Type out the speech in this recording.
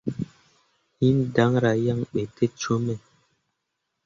Hinni danra yaŋ ɓe te cume.